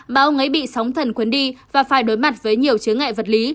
mà ông ấy bị sóng thần cuốn đi và phải đối mặt với nhiều chứa ngại vật lý